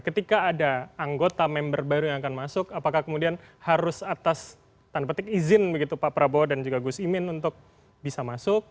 ketika ada anggota member baru yang akan masuk apakah kemudian harus atas tanpa izin pak prabowo dan gus muhyimin untuk bisa masuk